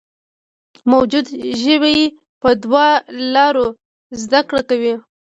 موجوده ژوي په دوو لارو زده کړه کوي.